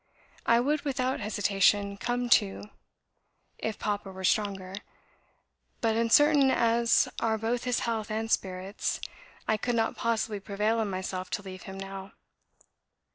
I would without hesitation come to , if Papa were stronger; but uncertain as are both his health and spirits, I could not possibly prevail on myself to leave him now.